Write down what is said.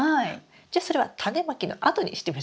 じゃそれはタネまきの後にしてみましょうか。